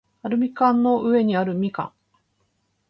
アルミ缶の上にある蜜柑